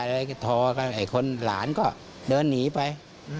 ไม่หนักพอหลานล้านก็เดินหนีไป